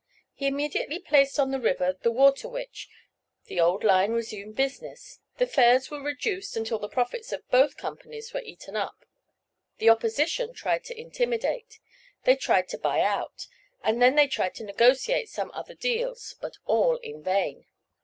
He immediately placed on the river the "Water Witch"; the old line resumed business; the fares were reduced until the profits of both companies were eaten up. The opposition tried to intimidate, they tried to buy out, and then tried to negotiate some other deals, but all in vain.